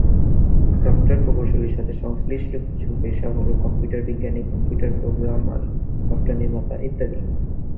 Software প্রকৌশলীর সাথে সংশ্লিষ্ট কিছু পেশা হল কম্পিউটার বিজ্ঞানী, কম্পিউটার প্রোগ্রামার, সফটওয়্যার নির্মাতা, ইত্যাদি।